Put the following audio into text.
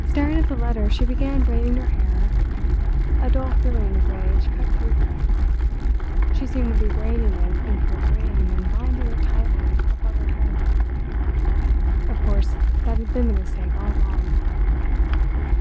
Staring at the letter she began braiding her hair—a dull feeling of rage crept through her—she seemed to be braiding it into her brain, and binding it, tightly, above her head.... Of course that had been the mistake all along.